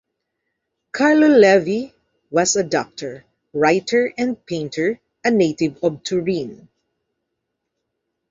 Carlo Levi was a doctor, writer and painter, a native of Turin.